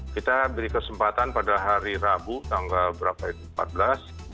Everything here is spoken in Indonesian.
kita beri kesempatan pada hari rabu tanggal berapa itu empat belas